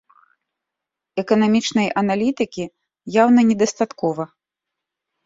Эканамічнай аналітыкі яўна недастаткова.